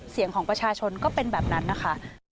เสียงของประชาชนก็เป็นแบบนั้นนะคะ